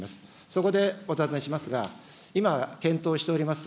そこで、お尋ねしますが、今、検討しております